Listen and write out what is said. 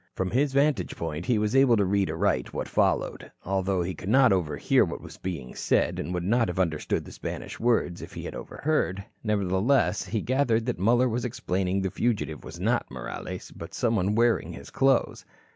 From his vantage point he was able to read aright what followed. Although he could not overhear what was being said and would not have understood the Spanish words, if he had overheard, nevertheless he gathered that Muller was explaining the fugitive was not Morales, but someone wearing his clothes.